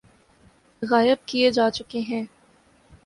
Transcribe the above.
غائب کئے جا چکے ہیں